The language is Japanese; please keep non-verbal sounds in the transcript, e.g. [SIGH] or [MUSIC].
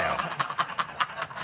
ハハハ [LAUGHS]